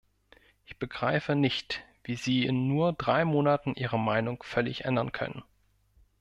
Ich begreife nicht, wie Sie in nur drei Monaten Ihre Meinung völlig ändern können!!